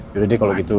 sudah deh kalau begitu